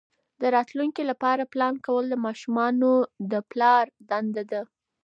د راتلونکي لپاره پلان کول د ماشومانو د پلار دنده ده.